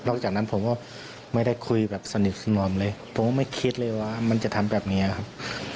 จากนั้นผมก็ไม่ได้คุยแบบสนิทสนอมเลยผมก็ไม่คิดเลยว่ามันจะทำแบบนี้ครับ